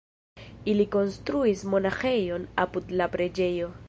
Ili konstruis monaĥejon apud la preĝejo.